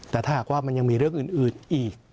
แต่ถ้าหากว่ามันยังมีเรื่องอื่นอีก